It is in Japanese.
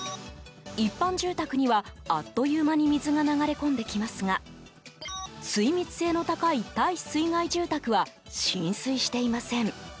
一般住宅には、あっという間に水が流れ込んできますが水密性の高い耐水害住宅は浸水していません。